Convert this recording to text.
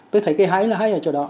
tôi thấy cái hay là hay ở chỗ đó